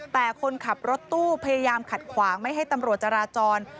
แต่คนขับรถตู้พยายามขัดขวางไม่ให้ตำรวจจราจร